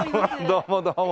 どうもどうも。